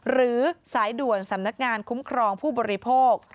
หรือสายด่วนสำนักงานคุ้มครองผู้บริโภค